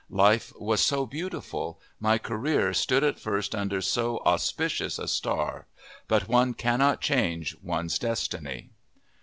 Life was so beautiful, my career stood at first under so auspicious a star! But one cannot change one's destiny!